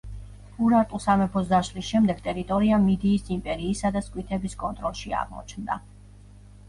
ურარტუს სამეფოს დაშლის შემდეგ, ტერიტორია მიდიის იმპერიისა და სკვითების კონტროლში აღმოჩნდა.